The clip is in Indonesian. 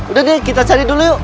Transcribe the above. udah deh kita cari dulu yuk